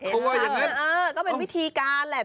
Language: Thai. เขาว่าอย่างนั้นเห็นชัดน่ะเออก็เป็นวิธีการแหละ